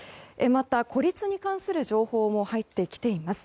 また、孤立に関する情報も入ってきています。